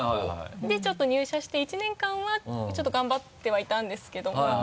でちょっと入社して１年間はちょっと頑張ってはいたんですけども。